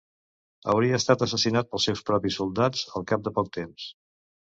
Hauria estat assassinat pels seus propis soldats al cap de poc temps.